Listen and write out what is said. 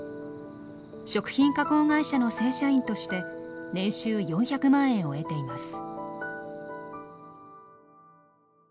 食品加工会社の正社員として年収４００万円を得ています。